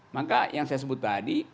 maka yang saya sebut tadi